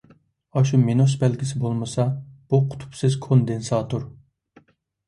ئاشۇ مىنۇس بەلگىسى بولمىسا، بۇ قۇتۇپسىز كوندېنساتور.